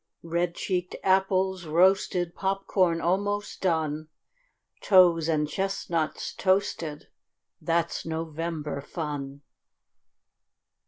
Red cheeked apples roasted, Popcorn almost done, Toes and chestnuts toasted, That's November fun.